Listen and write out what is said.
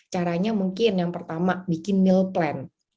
caranya mungkin yang pertama bikin meal plan